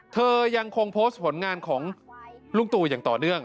เธอยังคงโพสต์ผลงานของลุงตู่อย่างต่อเนื่อง